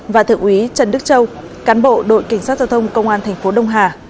và thượng úy trần đức châu cán bộ đội cảnh sát giao thông công an thành phố đông hà